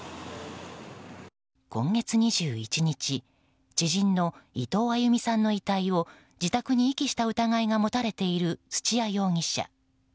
今月２１日知人の伊藤亜佑美さんの遺体を自宅に遺棄した疑いが持たれている土屋容疑者。